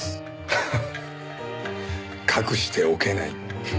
ハハッ隠しておけない。